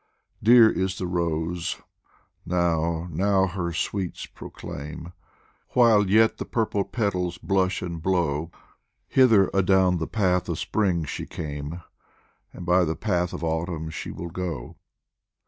Dear is the rose now, now her sweets proclaim, While yet the purple petals blush and blow ; Hither adown the path of Spring she came, And by the path of Autumn she will go.